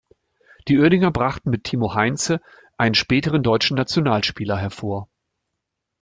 Die Uerdinger brachten mit Timo Heinze einen späteren deutschen Nationalspieler hervor.